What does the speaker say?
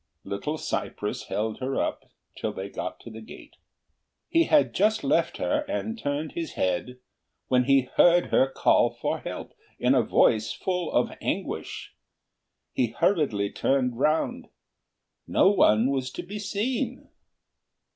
Little cypress held her up till they got to the gate; he had just left her and turned his head, when he heard her call for help in a voice full of anguish. He hurriedly turned round; no one was to be seen.